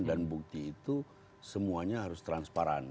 dan bukti itu semuanya harus transparan